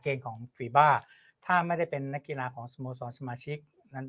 เกมของฟีบ้าถ้าไม่ได้เป็นนักกีฬาของสโมสรสมาชิกนั้น